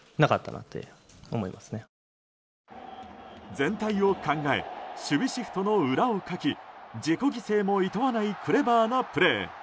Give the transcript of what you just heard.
全体を考え守備シフトの裏をかき自己犠牲もいとわないクレバーなプレー。